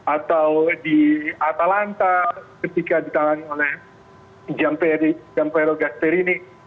atau di atalanta ketika ditangani oleh giampiero gasperini